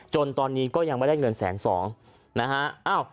จนตอนนี้ก็ยังไม่ได้เงินแสนสองนะฮะ